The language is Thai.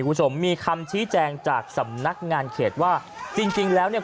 คุณผู้ชมมีคำชี้แจงจากสำนักงานเขตว่าจริงจริงแล้วเนี่ย